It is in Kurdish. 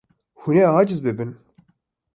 Hûn ê aciz bibin.